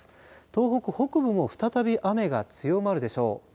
東北北部も再び雨が強まるでしょう。